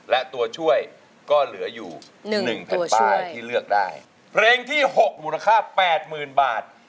และตัวช่วยก็เหลืออยู่๑และได้เริ่มที่๖มูลค่ะแปดหมื่นบาท